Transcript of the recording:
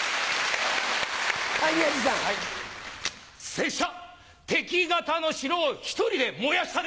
拙者敵方の城を１人で燃やしたでござる。